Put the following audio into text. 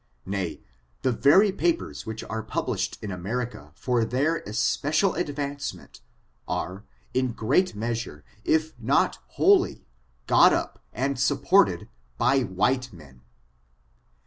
Nay, the very papers which are published in America for their especial advancement, are, in a great measure, if not wholly, got up and supported by white men.